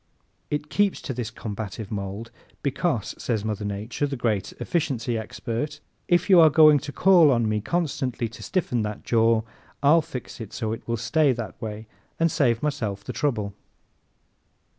It keeps to this combative mold, "because," says Mother Nature, the great efficiency expert, "if you are going to call on me constantly to stiffen that jaw I'll fix it so it will stay that way and save myself the trouble."